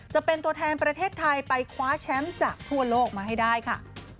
จะเป็นตัวแทนประเทศไทยไปคว้าแชมป์จากทั่วโลกมาให้ได้ค่ะ